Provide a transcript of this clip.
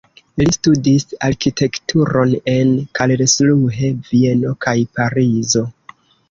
Li studis arkitekturon en Karlsruhe, Vieno kaj Parizo.